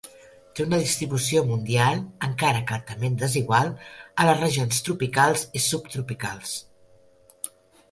Té una distribució mundial, encara que altament desigual, a les regions tropicals i subtropicals.